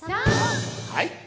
はい。